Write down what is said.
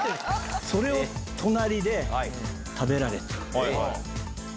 それを隣で食べられて。